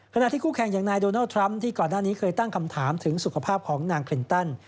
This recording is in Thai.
ขณะที่คู่แข่งอย่างนายโดนัลดทรัมป์ที่ก่อนหน้านี้เคยตั้งคำถามถึงสุขภาพของนางคลินตัน